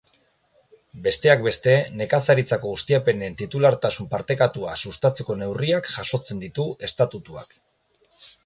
Besteak beste, nekazaritzako ustiapenen titulartasun partekatua sustatzeko neurriak jasotzen ditu estatutuak.